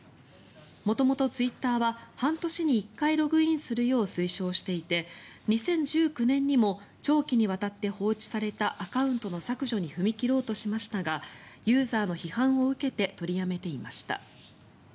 元々、ツイッターは半年に１回ログインするよう推奨していて２０１９年にも長期にわたって放置されたアカウントの削除に踏み切ろうとしましたがユーザーの批判を受けて取りやめていました。